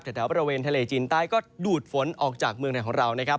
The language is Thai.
แถวบริเวณทะเลจีนใต้ก็ดูดฝนออกจากเมืองไหนของเรานะครับ